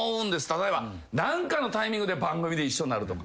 例えば何かのタイミングで番組で一緒になるとか。